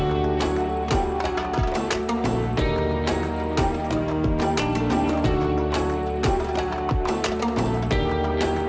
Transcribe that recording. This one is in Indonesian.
setiap bulan bulan suci ramadan